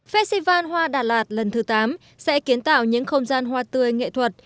festival hoa đà lạt lần thứ tám sẽ kiến tạo những không gian hoa tươi nghệ thuật